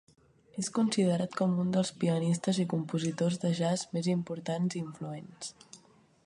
És considerat com un dels pianistes i compositors de jazz més importants i influents.